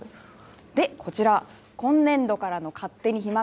こちら、今年度からの勝手に日間